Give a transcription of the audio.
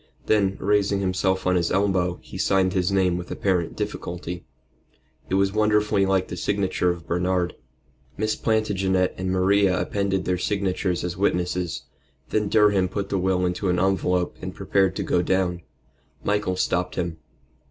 Then, raising himself on his elbow, he signed his name with apparent difficulty. It was wonderfully like the signature of Bernard. Miss Plantagenet and Maria appended their signatures as witnesses. Then Durham put the will into an envelope and prepared to go down. Michael stopped him.